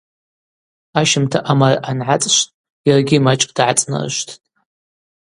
Ащымта амара ангӏацӏшвтӏ йаргьи мачӏкӏ дгӏацӏнарышвттӏ.